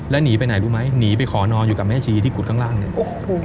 แล้วหนีไปไหนรู้ไหมหนีไปขอนอนอยู่กับแม่ชีที่กุดข้างล่างเนี่ยโอ้โห